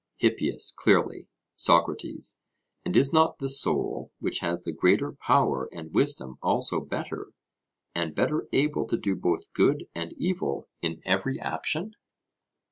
HIPPIAS: Clearly. SOCRATES: And is not the soul which has the greater power and wisdom also better, and better able to do both good and evil in every action?